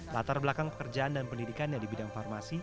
latar belakang pekerjaan dan pendidikannya di bidang farmasi